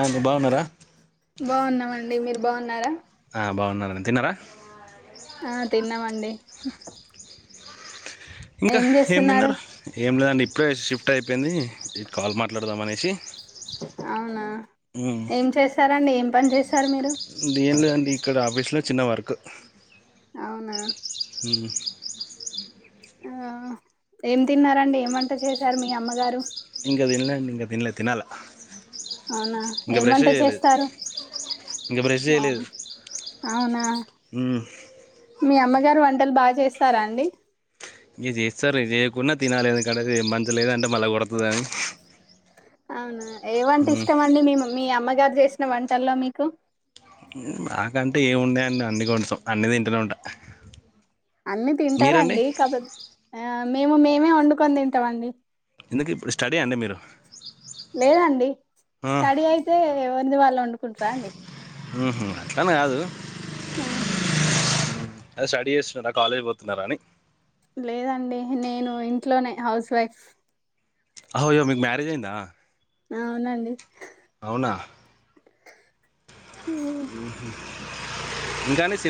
అండి బాగున్నారా బాగున్నామండి మీరు బాన్నరా బాగున్నారని తిన్నారా ఆ తిన్నామండి ఇంకా ఏం తిన్నారు ఏం లేదండి ఇప్పుడే షిఫ్ట్ అయిపోయింది. ఇది కాల్ మాట్లాడదాం అనేసి అవునా ఉమ్, ఏం చేస్తారండి ఏం పని చేస్తారు మీరు ఇలో చిన్న వర్క్ అవునా హ్మ్ హ్మ్ ఏం తిన్నారండి ఏం వంట చేశారు మీ అమ్మగారు. ఇంక తిన్లే అండి తినాలే తినాల అవునా ఇంకా బ్రష్ ఏమంటే చేయలేదు చేస్తారు ఇంకా బ్రష్ చేయలేదు అవునా ఉమ్, మీ అమ్మగారు వంటలు బాగా చేస్తారా అండి ఇంక చేస్తారు చేయకుంన్నా తినాలిదుకాడ మంచిగా లేదంటే మళ్ళీ కొడుతది అని అవును ఏవంటే ఇష్టంమండి మీ మీ అమ్మగారి చేసిన వంటల్లో మీకు మాకంటే ఏమిండేయండి అన్ని కొండం అన్నిది ఇంటలో ఉంట అన్ని తింటారండి కాకపోతే ఆ మేము మేమే వండుకొని తింటామండి ఇందుక ఇప్పుడు స్టడీ అండి మీరు లేదండి ఆ, స్టడీ అయితే ఎవరిది వాళ్ళు వండుకుంటార అండి ఉహు, ఆ అ స్టడీ చేస్తున్నారా కాలేజీ పోతున్నారా అని లేదండి నేను ఇంట్లోనే హౌస్ వైఫ్ అహో అయ్యో మీకు మ్యారేజ్ అయ్యిందా అవునండి అవునా హ్మ్. ఊహూ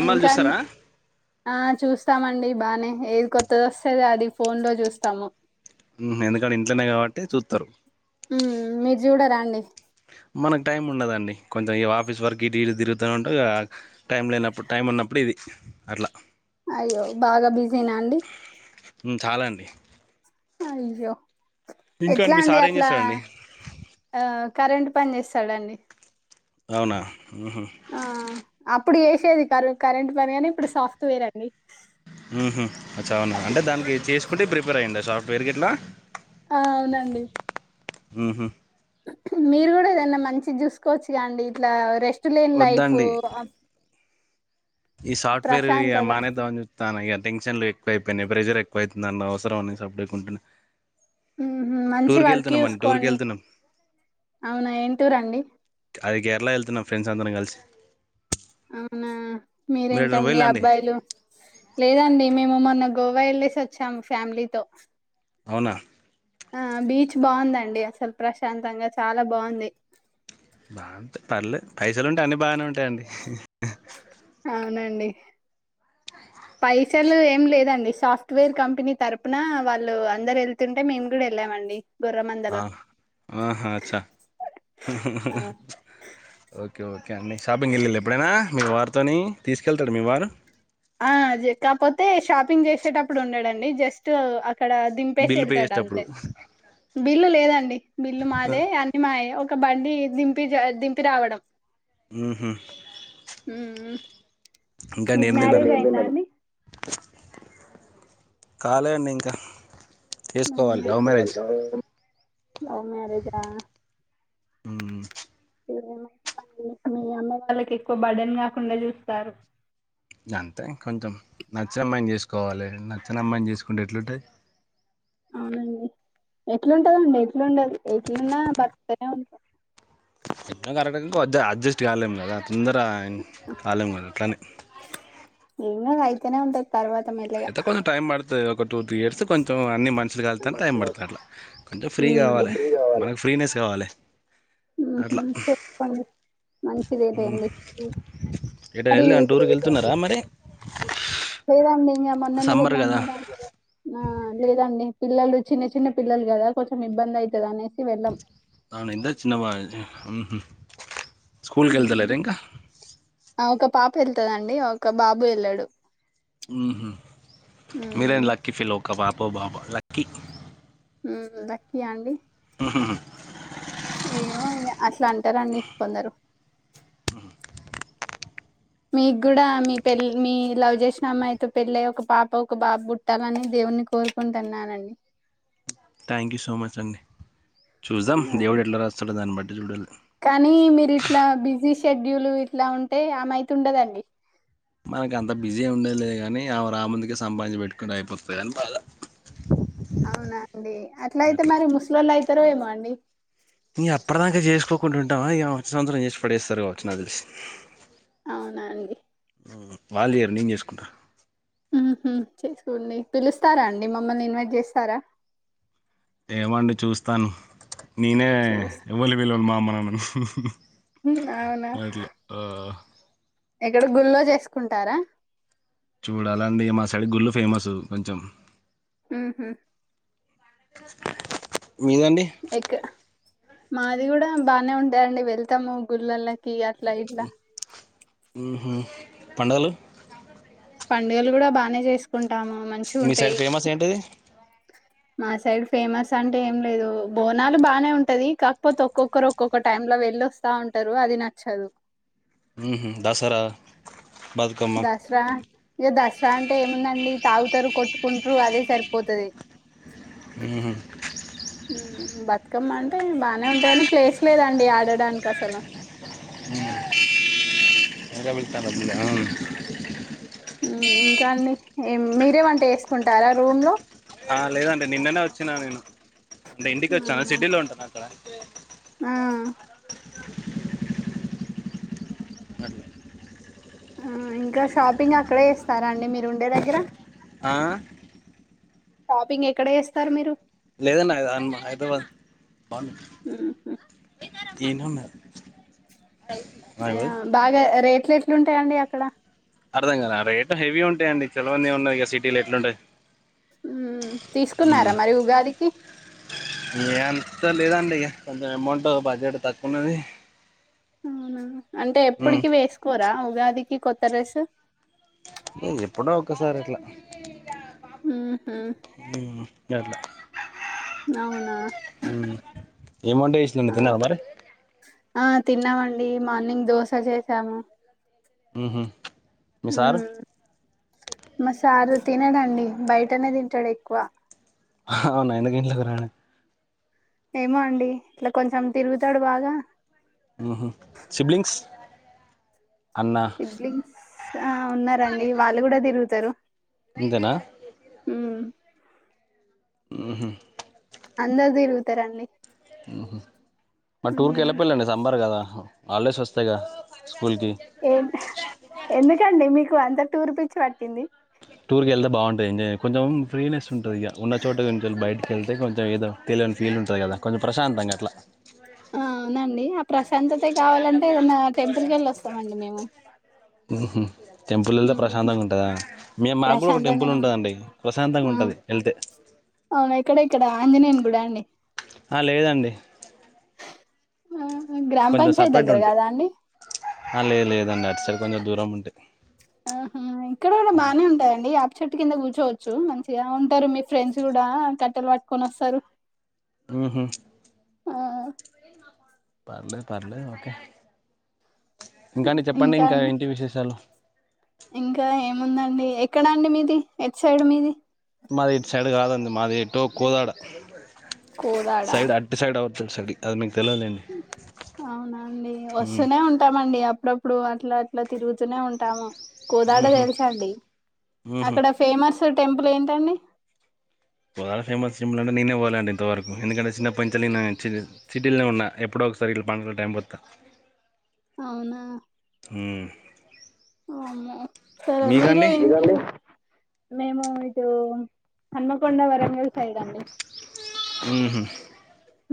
ఇంకా అండి ఆ చూస్తామండి బానే ఏది కొత్తది ఒస్తే అది ఫోన్ లో చూస్తాము ఊ ఎందుకంటే ఇంట్లనే కాబట్టి చూత్తరు ఊ మీరు చూడరండి మనకు టైం ఉండదండి కొంచెం ఇగ ఆఫీస్ వర్క్ ఇటు ఇటు తిరుగుత ఉంట ఆ టైం లేనప్పుడు టైం ఉన్నప్పుడు ఇది అట్లా అయ్యో బాగా బిజీనా అండి డి అయ్యో ఎట్లా మీ అండి సార్ ఏం అట్లా చేస్తాడండి ఆ కరెంట్ పని చేస్తాడండి అవునా మ్మ్హు ఆ అప్ ప్పుడు చేసేది కరు కరెంట్ పని గని ఇప్పుడు సాఫ్ట్వేర్ అండి ఉహు అచ అవున్నా అంటే దానికి చేసుకుంటే ప్రిపేర్ అయ్యండ సాఫ్ట్వేర్ గిట్లా ఆ అవునండి ఉహు మీరు కూడా ఏదన్నా మంచి చూసుకోవచ్చు గద అండి ఇట్లా రెస్ లేన్ లైఫు వద్దండి అ ఈ సాఫ్ట్వేర్ ఇగ మనేదమని జూత్ తా టెషన్లు ఎక్కువ అయిపోయినయ్ ప్రెషర్ ఎక్కువ ఐతుందండి అవసరం అని సప్పుడేకుంటున్న ఉహు మంచి వర్క్ టూర్కి చూసుకోండి వెళ్తున్నాం అవునా ఏం టూరండి అది కేరళ ఎళ్తున్నాం ఫ్రెండ్స్ అందరం కలిసి అవునా మీరు ఎటైనా మీరేంటండి పోయిల్లా అండి అబ్బాయిలు లేదండి మేము మొన్న గోవా ఎళ్లేసి ఒచ్చాము ఫ్యామిలీతో అవునా ఆ బీచ్ బాగుందండి అసలు ప్రశాంతంగా చాలా బావుంది బాగుంటా పర్లే పైసలు ఉంటే అన్నీ బానే ఉంటాయండి అవునండి పైసలు ఏం లేదండి సాఫ్ట్వేర్ కంపెనీ తరపున వాళ్ళు అందరు ఎళ్తుంటే మేము కూడా ఎళ్ళామండి ఆ ఆహ అచ్చా ఓకే ఓకే అండీ షాపింగ్ ఎళ్ళిళ ఎప్పుడైనా మీ వార్ తోని తీసుకెళ్తడు మీ వారు ఆ జ కాపోతే షాపింగ్ చేసేటప్పుడు ఉండడండి జస్ట్ అ క్కడ దింపేసి బిల్లు పే ఎళ్తడు చేసేటప్పుడు అంతే బిల్లు లేదండి బిల్లు మాదే అన్ని మాయే ఓక్ ఒక బండి దింపి జ దింపి రావడం ఉహు మ్మ్ ఇంకా అండి మీకు ఏం దిన్నరు మ్యారేజ్ అయిందా అండి కాలే అండి ఇంక అవునా లవ్ మ్యారేజా ఉ మీ అమ్మ వాళ్ళకి ఎక్కువ బడన్ కాకుండా చూస్తారు అంతే కొంచెం నచ్చిన అమ్మాయిని చేసుకోవాలి నచ్చిన అమ్మాయిని చేసుకుంటే ఎట్లుంటై అవునండి ఎట్లుంటదండి ఎట్లుండదు ఎట్లున్నా బర్తనే ఉంట ఎటో ఒక అర డజన్ [unintelligible] అడ్జస్ట్ కాలేము కదా తొందర కాలేము కదా అట్లానే. ఏమో అయితేనే ఉంటై. అయితేా కొం టైమ్ట్డుతుతే ఒక టూ త్రీ ఇయర్స్ కొంచెం అన్ని మ మనుషులు క వెతే టైం పడతా అలా కొంచెం ఫ్రీ కావాలి మనకు ఫ్రీనెస్ కావాలి. అట్లా చెసుకోండి మంచిది అయిపోయింది ఎటైనా మరి వెళ్ళి టూర్కి వెళ్తున్నారా మరి మీరండి ఇంకా మొన్ననే వెళ్ళాము కదా ఆ లేదండి. పిల్లలు చిన్న చిన్న పల్లలు కదా కొంచెం ఇబ్బంది అవుతుంది అనే [inaudible] ఊహూ స్కూల్కిెళ్తల ర ఇంకా వెళ్తుదండి ఒక బాబు వెళ్ళాడు మీరే హ్మ్ ఇలక్కి ఫీల్ కబపు పో బాబా లక్కీ ఉమ్ లక్కీ అండి వుహుహు ఏమో ఈగ అట్లా అంటారండి కొందరు మీకు కూడా మీ పెల్ మీ లవ్ చేసిన అమ్మాయితో పెళ్ళయ ఒక పాప ఒక బాబు పుట్టాలని దేవుని కోరుకుంటున్నానండి. థ్యాంక్ యూ సో మచ్ అండి చూద్దాం ఆ, దేవుడు ఎట్లా రాస్తాడు దాన్ని బట్టి అ జుడలు కానీ మీరు ఇట్లా బిజీ షెడ్యూల్ ఇట్లా ఉంటే ఆమె అయితుండదండి. మనకి అంత బిజీ ఎ ఉండేలేదు కాని ఆమే రా ముందుకి సంపాదించి పెట్టుకుంటే అయిపోతుంది అని బాధ అవునండి అట్ల అయితే అట్లా మరి ముస్లిలు అయి తరేమో అండి. ఇం ఆప్పటిదాక చేసుకోకుండా ఉంటాం ఇక వచ్చిన సంవత్సరం చేసి పడేస్తారు కవచ్చి నక్ తెలిసి అవునాండి వాలే ఎర్నింగ్ చేసుకుంటారూ ఉహు చేసుకోండి పిలుస్తారా అండి మమ్మల్ని ఇన్వైట్ చేస్తారా ఏమండి చూస్తాను నేనే చూస్ ఎవలీని పిలవను మా అమనన్నను హ అవునా ఎక్కడ గుల్లో చేసుకుంటారా చూడాలంటే మా సైడు గుళ్ళు ఫేమస్ కొంచెం ఊహూ మీదండి ఎక్ మాది గూడా బానే ఉంటాయండి వెళ్తాము గుళ్ళళకి అ ట్ల ఇట్లా ఊహూ పండగలు పండుగలు కూడా బానే చేస్ మీ సైడ్ ఫేమస్ ఏంటిది మా సైడ్ ఫేమస్ అంటే ఏం లేదు బోనాలు బాగానే ఉంటది కాకపోతే ఒక్కొక్కరు ఒక్కొక్క టైమ్ లో వెళ్ళ వస్తా ఉంటారు అది నచ్చదు. మ్ దసరా బతుకమ్మ దసరా ఇక దసరా అంటే ఏముందండి తాగుతరు కొట్కుంట్రు అదే సరిపోతది ఊహూ ఊ బతుకమ్మ అంటే బానే ఉంటాయని ప్లేస్ లేదండి ఆడడానికి అసలు [inaudible] ఊ ఇంకా అండి ఏం మీరే వంట చేసుకుంటారా రూమ్ లో ఆ లేదండి నిన్ననే వచ్చిన నేను, అంటే ఇంటికి వచ్చాను అవునా. సిటిలో ఉంటాను అక్కడ ఆ [inaudible] ఆ ఇంకా షాపింగ్ అక్కడే చేస్తారా అండి మీరు ఉండే దగ్గర ఆ షాపింగ్ ఎక్కడ చేస్తారు మీరు లేదన్న అ హైదరాబాద్ అవును మ్మ్. ఏనున్నా అ బాగా రేప్ స్లెట్లు ఉంటాయండి అక్కడ అర్థం కలా, రేట్ హెవీ ఉంటాయి అండి చలవన్నీ ఉన్నాయి ఇక సిటీలో ఎట్లుంటాయి మ్ తీసుకున్నారా మరి ఉగాదికి ఏ అంత లేదండి ఇక కొంచెం అమౌంట్ బడ్జెట్ తక్కువ ఉన్నది అవునా అంటే ఎప్పటికి వేసుకోరా ఉగాది ఇ కొత్తా డ్రెస్ ఏ ఎప్పుడో ఒక్కసారి అట్లా ఆ హ గట్ల నవునా మ్మ్ ఏం వంట చేసిందండి ఆ తిన్నార మరి ఆ తిన్నామండి మార్నింగ్ దోశ చేసాము ఉహు మీ సార్ మ్మ్. మా సార్ తినడండి. బయటనే తింటాడు. ఎక్కువ అవున ఎందుకు ఇంటిలో తిన్నాడు ఏమో అండి. ఇట్లా కొంచెం తిరుగుతాడు బాగా. ఉహు సిబ్లింగ్స్. అన్న సిబ్లింగ్స్ ఆ ఉన్నారండి. వాళ్ళు కూడా తిరుగుత్ తరు ఇంతేనా హ్ ఉహు అందరు తిరుగుతారండి ఉహు మరి టూర్కి ఉమ్ వెళ్ళిపోళ్ళండి సమ్మర్ కదా. హాలిడేస్ వస్తాయిగా స్కూల్కి ఏంటి ఎందుకండి మీకు అంత టూర్ పిచ్చి పట్టింది. టూర్ కి వెళ్తే బాగుంటాది ఎంజాయ్ చేయ్ కొంచెం ఫ్రీ నెస్ ఉంటది ఇగ ఉన్న చోట నుంచి గేలి బయటకి కెళ్తే కొంచెం ఏదో తెలియని ఫీల్ ఉంటది కదా. కొంచెం ప్రశాంతంగా అట్లా. అ అవునండి ఆ ప్రశాంతతే కావాలంటే ఏదైనా టెంప్ టెంపుల్ కేళి వస్తమండి మేము ఉహుహు టెంపుల్ వెళ్తే ఉమ్ ప్రశాంతంగా ఉంటదా. మేం మాకు కూడా ఒక టెంపుల్ ప్రశాంతంగానే ఉంటాం ఉంటదండి ప్రశాంతంగా ఆ ఉంటది ఎళ్తే అవును ఇక్కడ ఇక్కడ ఆంజనేయుని గుడ్డ అండి లేదండి ఆ గ్రామ కొంచెం పంచాయత్ సపరేట్ దగ్గర ఉంటి కదా అండి ఆ లేదు లేదండి అట్టు సైడ్ కొంచెం దూరం ఉంటాయ్ ఆహా ఇక్కడ కూడా బానే ఉంటాయండి. వేప చెట్టు కింద కూర్చో చోచ్చు మంచిగా ఉంటారు. మీ ఫ్రెండ్స్ కూడా కట్టెలు పట్టుకొని వస్తారు. ఉహా ఆ పర్లే పర్లే ఓకే ఇంకాండి చెప్పండి ఇంకా ఏంటి విశేషాలు ఎక్కడా అండి మీది. ఎట్ సైడ్ మీది మాది ఇటు సైడ్ కాదండి. మాది ఎటో కోదాడ కోదాడా సైడ్ అటి సైడ్ అవ్ చూశాడి అది మీకు తెలియదులేండి అవునండి వస్తూనే ఉంటామండి అప్ అప్పుడప్పుడు అట్లా అట్లా తిరుగుతూనే ఉంటాము. కోదాడ తెలుసా అండి ఊహు అక్కడ ఫేమస్ టెంపుల్ ఏంటండి బాగా ఫేమస్ టెంపులంటే నేనే పోలేఅండి తవరకు ఎందుకంటే సిన్నప్పటి నుంచల్లి సిటీలనే ఉన్న ఎప్పుడో ఒకసారి ఇట్ల పంటగలు టైం పోతా అవునా ఉమ్ వామ్మో ఓ మీరే [unintelligible] మేము ఇటు హన్మకొండ వరంగల్ సైడ్ అండి ఊహూ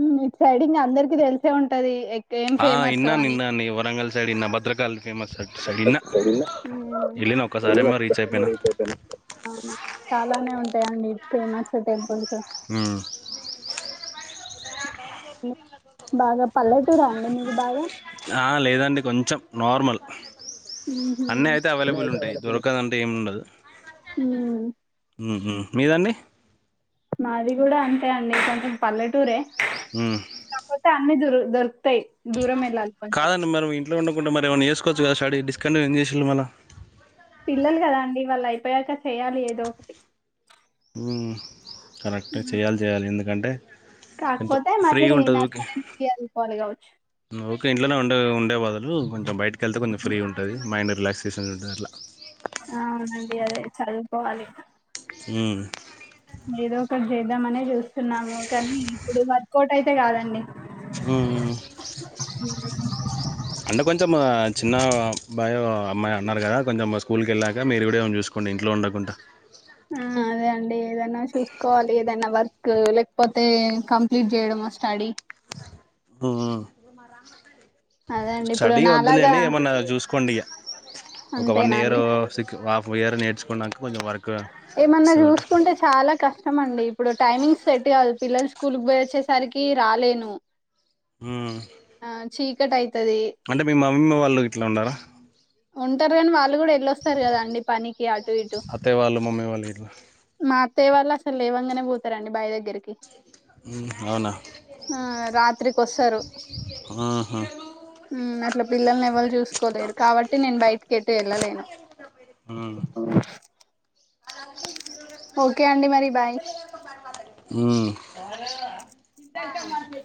మ్ మీకు సైడింగ్ అందరికి తెలిసే ఉంటది ఎగ్ ఆ ఇన్నాను ఇన్నాను ఈ వరంగల్ సైడ్ ఇన్నా భద్రకాళి ఫేమస్ అటు సైడ్ ఇన్నా వెళ్ళిన ఒక్కసారేమో రీచ్ అయిపోయినా అవునా చాలానే ఉంటాయండి ఫేమస్ టెంపుల్ ఉమ్ బాగా పల్లెటూరా అండి మీది బాగా ఆ లేదండి కొంచెం నార్మల్ ఉహుం. అన్నీ అయితే అవైలబుల్ ఉంటాయి దొరకదంటే ఏముండదు మ్మ్ ఊహూ మీదండి మాది కూడా అంతే అండి కొంచెం పల్లెటూరే ఉమ్ అన్నీ దొరు దొరుక్ కాదండి మరి ఇంట్లో ఉండకుంటా మరేమన్నా చేసుకోవ చ్చు కదా స్టడీ డిస్కంటిన్యూ చేసిళ్ళు మళ్ళ వాళ్ళైపొయ్యాక చెయ్యాలి ఏదో ఒకటి ఉమ్ కరెక్ట్ గ ఉమ్. చెయ్యాలి చెయ్యాలి ఎందుకంటే కొంచెం కాకపోతే మళ్ళీ ఫ్రీగా ఉంటది ఊకే నర్సరీ నుండి చదువుకోవాలి గావచ్చు ఊకే ఇంట్లోనే ఉండే ఉండే బదులు కొంచెం బయటకెళ్తే కొంచెం ఫ్రీ ఉంటది మైండ్ రిలాక్సేషన్ ఉంటదట్ల అవునండి అదే చదువుకోవాలి ఉమ్ ఏదో ఒకటి చేద్దామనే జూ స్తున్నాము కానీ ఇప్పుడు వర్కౌట్ టైతే కాదండి ఉమ్మ్ అంటే కొం చెం చిన్న బాయ్ అమ్మాయి అన్నారు కదా కొంచెం స్కూల్కెళ్ళాక మీరు కూడా ఏమన్నా చూసుకోండి ఇంట్లో ఉండకుంటా ఆ అదే అండి ఏదైనా చూసుకోవాలి ఏదైనా వర్క్ లేకపోతే కంప్లీట్ చెయ్యడమో స్టడీ ఉమ్ అదే అండి ఇప్పుడు స్టడీ నాలాగా వద్దులేండి ఏమన్నా చూసుకోండి ఇగ ఒక వన్ అంతేనా ఇయర్ అండి సిక్ హాఫ్ ఇయర్ నేర్చ న్నాకు కొంచెం వరకు ఏమన్నా చూసుకుంటే చాలా కష్టమ అండి ఇప్పుడు టైమింగ్స్ సెట్ కావ్వాలి పిల్లలు స్కూల్కి పోయయి వచ్చేసరికి రాలేను మ్మ్ అయి అంటే మీ మమ్మీమ్ వాళ్ళు ఇట్లా ఉండారా ఉంటారు కాని వాళ్ళు కూడా ఎలొస్తారు కదా అండి పనికి అటు ఇటు అత్తయ్య మమ్మీ వాళ తే వల్ల అస లేవంగానే పోతారండి బాయి దగ్గరికి అవునా ఆ రాత్రికొస్తారు ఆహా అట్లా పిల్లల్ని ఎవరు చూసుకోలేరు కాబట్టి నేను బయటికి కైతే ఎల్లలేను మ్మ్ ఓకే అండి మరి బాయ్ మ్మ్